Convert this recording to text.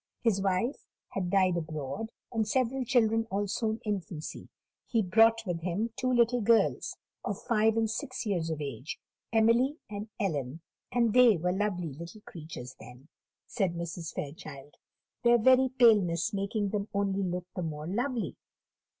His wife had died abroad, and several children also in infancy. He brought with him two little girls, of five and six years of age, Emily and Ellen; and they were lovely little creatures then," said Mrs. Fairchild; "their very paleness making them only look the more lovely.